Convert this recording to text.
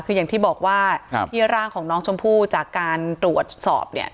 คืออย่างที่บอกว่าที่ร่างของน้องชมพู่จากการตรวจสอบเนี่ย